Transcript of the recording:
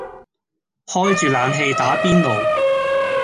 開住冷氣打邊爐